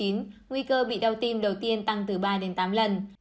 nguy cơ bị đau tim đầu tiên tăng từ ba đến tám lần